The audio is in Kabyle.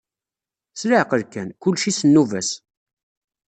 S leɛqel kan, kulci s nnuba-s.